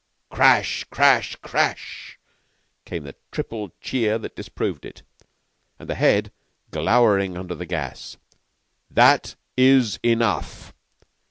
Crash crash crash came the triple cheer that disproved it, and the Head glowered under the gas. "That is enough.